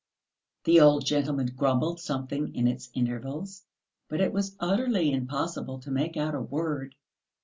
The old gentleman grumbled something in its intervals, but it was utterly impossible to make out a word.